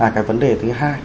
cái vấn đề thứ hai